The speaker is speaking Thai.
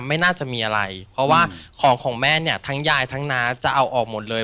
ไม่น่าจะมีอะไรเพราะว่าของของแม่เนี่ยทั้งยายทั้งน้าจะเอาออกหมดเลย